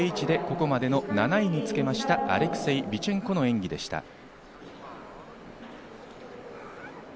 ６８．０１でここまでの７位につけましたアレクセイ・ビチェンコの演技でした。